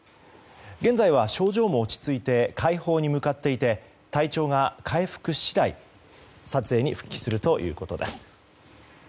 現在は症状も落ち着いて快方に向かっていて体調が回復し次第撮影に復帰するということです。